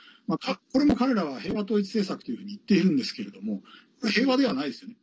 これも彼らは平和統一政策というふうに言っているんですけれども平和ではないですよね。